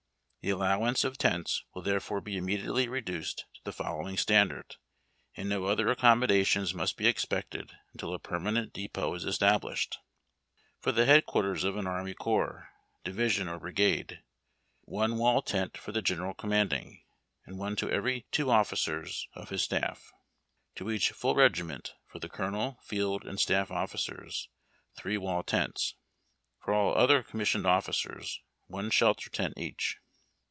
The allowance of tents will therefore be immediately reduced to the following standard, and no other accommodations must be expected until a permanent depot is established : For the Head Quarters of an Army Corps, Division, or Brigade, one wall tent for the General Counnanding, and one to every two officers of his staff. To each full regiment, for tlie Colonel, Field and Staff officers, three wall tents. For all other commissioned officers, one shelter tient each.